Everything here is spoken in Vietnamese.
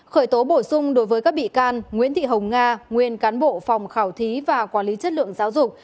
khởi tố bổ sung đối với các bị can nguyễn thị hồng nga nguyên cán bộ phòng khảo thí và quản lý chất lượng giáo dục